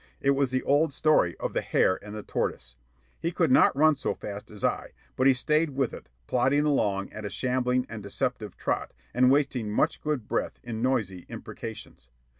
It was the old story of the hare and the tortoise. He could not run so fast as I, but he stayed with it, plodding along at a shambling and deceptive trot, and wasting much good breath in noisy imprecations.